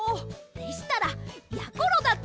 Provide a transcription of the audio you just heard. でしたらやころだって！